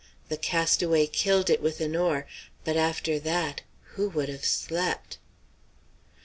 The castaway killed it with an oar; but after that who would have slept?